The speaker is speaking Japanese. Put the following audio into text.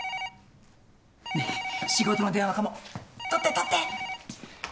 ねえ仕事の電話かも取って取って。